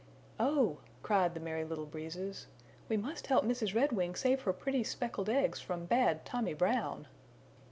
"Oh," cried the Merry Little Breezes, "we must help Mrs. Redwing save her pretty speckled eggs from bad Tommy Brown!"